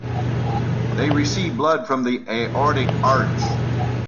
They receive blood from the aortic arch.